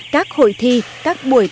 các hội thi các buổi tiệc